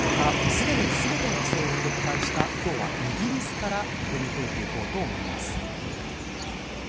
すでに全ての規制を撤廃したイギリスから読み解いていこうと思います。